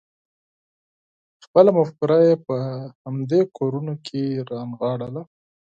خپله مفکوره یې په همدې کورونو کې رانغاړله.